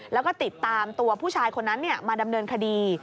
แล้วก็ติดตามตัวผู้ชายคนนั้นมาดำเนินคดี